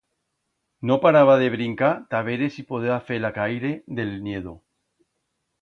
No paraba de brincar ta vere si podeba fer-la caire d'el niedo.